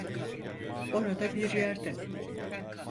Orada bir yerde.